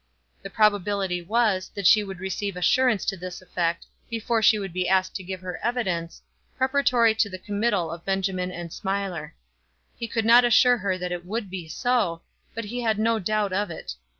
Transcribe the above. The probability was, that she would receive assurance to this effect before she would be asked to give her evidence, preparatory to the committal of Benjamin and Smiler. He could not assure her that it would be so, but he had no doubt of it.